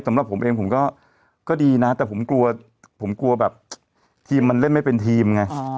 สำหรับผมเองผมก็ดีนะแต่ผมกลัวผมกลัวแบบทีมมันเล่นไม่เป็นทีมไง